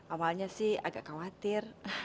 awalnya sih agak khawatir